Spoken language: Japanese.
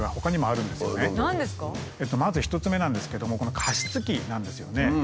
まず１つ目なんですけども加湿器なんですよね。